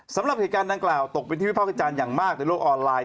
สำหรับเหตุการณ์ดังกล่าวตกเป็นที่วิภาควิจารณ์อย่างมากในโลกออนไลน์